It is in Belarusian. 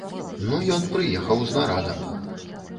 Ну ён прыехаў з нарадам.